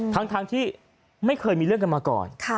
ทั้งที่ไม่เคยมีเรื่องกันมาก่อน